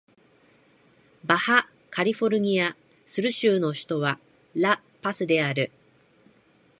バハ・カリフォルニア・スル州の州都はラ・パスである